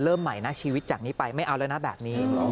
เริ่มใหม่นะชีวิตจากนี้ไปไม่เอาแล้วนะแบบนี้